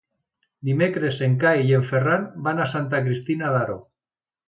Dimecres en Cai i en Ferran van a Santa Cristina d'Aro.